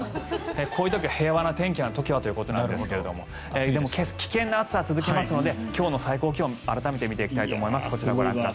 こういう時は平和な天気の時ということですが危険な天気が続きますので改めて今日の最高気温を見ていきたいと思います。